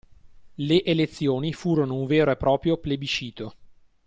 Le elezioni furono un vero e proprio plebiscito.